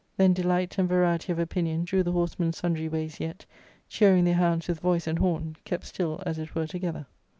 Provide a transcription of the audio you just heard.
Then delight and variety of opinion drew the horsemen sundry ways, yet, cheering their hounds with voice and horn, kept still as it were together.